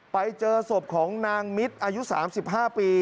ไปเจอศพของนางมิตรอายุ๓๕ปี